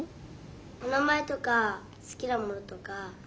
おなまえとかすきなものとかなんか。